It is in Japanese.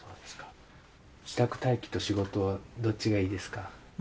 ・自宅待機と仕事はどっちがいいですか？